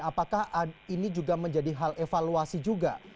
apakah ini juga menjadi hal evaluasi juga